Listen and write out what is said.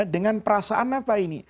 dengan perasaan apa ini